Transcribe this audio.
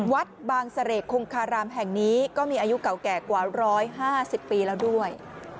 วัดบางเสรกคงคารามแห่งนี้ก็มีอายุเก่าแก่กว่า๑๕๐ปีแล้วด้วย